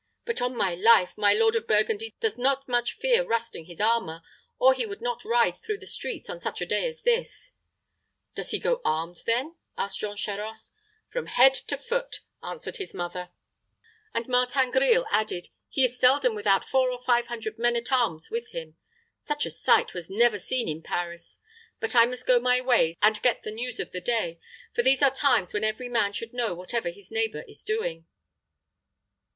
But, on my life, my lord of Burgundy does not much fear rusting his armor, or he would not ride through the streets on such a day as this." "Does he go armed, then?" asked Jean Charost. "From head to foot," answered his mother; and Martin Grille added, "He is seldom without four or five hundred men at arms with him. Such a sight was never seen in Paris. But I must go my ways, and get the news of the day, for these are times when every man should know whatever his neighbor is doing."